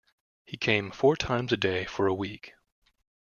He came four times a day for a week.